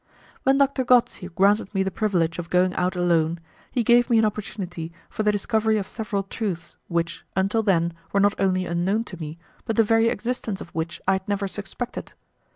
When Doctor Gozzi granted me the privilege of going out alone, he gave me an opportunity for the discovery of several truths which, until then, were not only unknown to me, but the very existence of which I had never suspected.